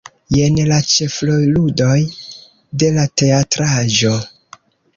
Jen la ĉefroluloj de la teatraĵo.